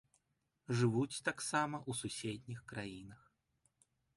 Жывуць таксама ў суседніх краінах.